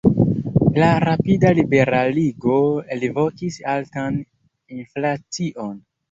La rapida liberaligo elvokis altan inflacion.